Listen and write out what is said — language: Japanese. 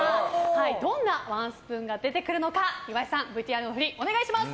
どんなワンスプーンが出てくるのか岩井さん、ＶＴＲの振りお願いします。